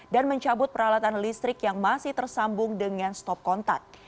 dan mencabut peralatan listrik yang masih tersambung dengan stop kontak